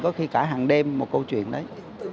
có khi cả hàng đêm một câu chuyện đấy